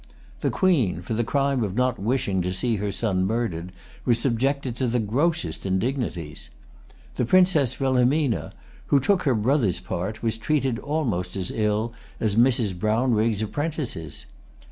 The Queen, for the crime of not wishing to see her son murdered, was subjected to the grossest indignities. The Princess Wilhelmina, who took her brother's part, was treated almost as ill as Mrs. Brownrigg's apprentices.